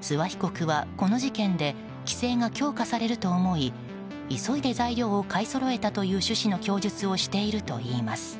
諏訪被告はこの事件で規制が強化されると思い急いで材料を買いそろえたという趣旨の供述をしているといいます。